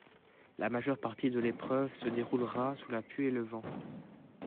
La majeure partie de l'épreuve se déroulera sous la pluie et le vent.